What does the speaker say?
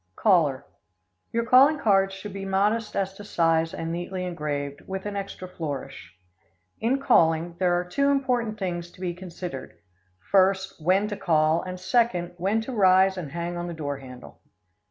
Caller Your calling cards should be modest as to size and neatly engraved, with an extra flourish. In calling, there are two important things to be considered: First, when to call, and, second, when to rise and hang on the door handle.